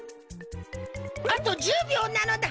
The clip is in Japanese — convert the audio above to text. あと１０びょうなのだ。